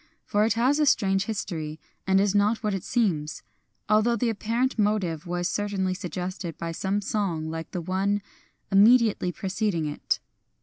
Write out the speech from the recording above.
For it has a strange history, and is not what it seems, — although the apparent motive was certainly suggested by some song like the one immediately preceding it.